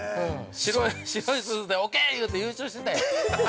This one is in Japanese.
◆白いスーツで、オーケーって言ってて優勝してたやん。